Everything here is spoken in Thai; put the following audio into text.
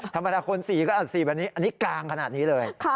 ธรรมดาคนสีก็อัดสีแบบนี้อันนี้กลางขนาดนี้เลย